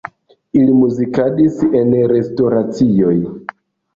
Ili muzikadis en restoracioj.